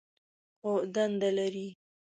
خو دنده لري.